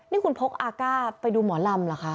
นี่คุณพกอาก้าไปดูหมอลำเหรอคะ